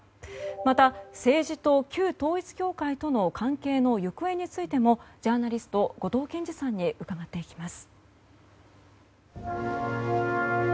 また、政治と旧統一教会との関係の行方についてもジャーナリスト後藤謙次さんに伺っていきます。